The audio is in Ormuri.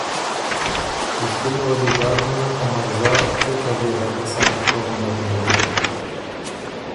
پِشتِنه وه دی داک نېله که مرزا څۀ چل يې هۀ سا خپه غندک هېنيي۔